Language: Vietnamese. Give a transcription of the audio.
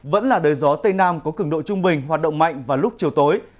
vẫn là đời gió tây nam có cứng độ trung bình hoạt động mạnh vào lúc chiều tối